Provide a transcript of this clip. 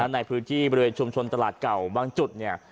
ในพื้นที่บริเวณชุมชนตลาดเก่าบางจุดเนี่ย